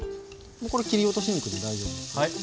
これ切り落とし肉で大丈夫です。